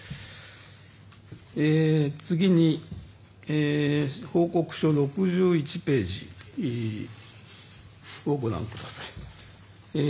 次に、報告書の６１ページをご覧ください。